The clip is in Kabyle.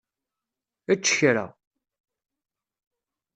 Ečč kra.